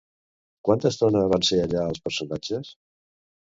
Quanta estona van ser allà els personatges?